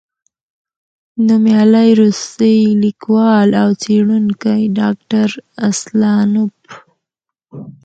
نومیالی روسی لیکوال او څېړونکی، ډاکټر اسلانوف،